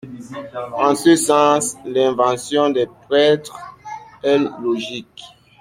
En ce sens, l’invention des prêtres est logique.